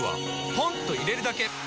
ポンと入れるだけ！